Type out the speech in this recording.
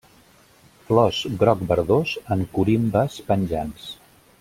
Flors groc verdós en corimbes penjants.